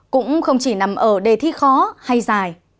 cũng không chỉ nằm ở đề thi khó hay dài